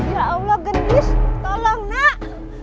ya allah genis tolong nak